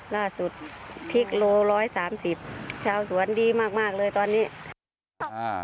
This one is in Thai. ล่าสุดพริกโล่๑๓๐บาทชาวสวนดีมากเลยตอนนี้